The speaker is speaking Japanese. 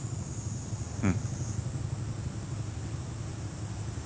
うん。